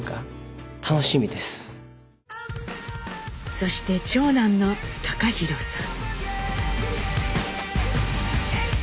そして長男の貴寛さん。